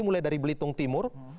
mulai dari belitung timur